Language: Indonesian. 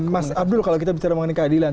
mas abdul kalau kita bicara mengenai keadilan